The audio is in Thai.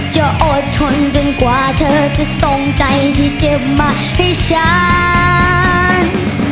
จะอดทนจนกว่าเธอจะส่งใจที่เตรียมมาให้ฉัน